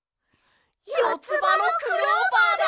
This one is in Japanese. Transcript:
よつばのクローバーだ！